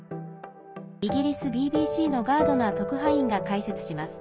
イギリスＢＢＣのガードナー特派員が解説します。